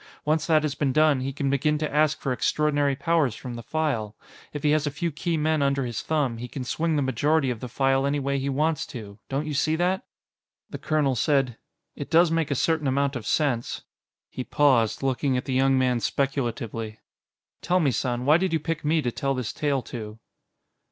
Once that has been done, he can begin to ask for extraordinary powers from the File. If he has a few key men under his thumb, he can swing the majority of the File any way he wants to. Don't you see that?" The colonel said: "It does make a certain amount of sense." He paused, looking at the young man speculatively. "Tell me, son: why did you pick me to tell this tale to?"